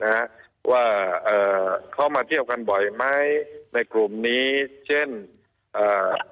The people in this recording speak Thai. นะฮะว่าเอ่อเขามาเที่ยวกันบ่อยไหมในกลุ่มนี้เช่นอ่า